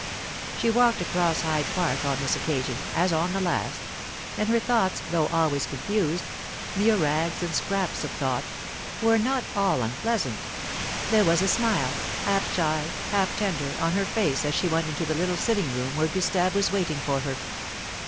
She walked across Hyde Park on this occasion, as on the last; and her thoughts, though always confused mere rags and scraps of thought were not all unpleasant. There was a smile, half shy, half tender, on her face as she went into the little sitting room where Gustave was waiting for her.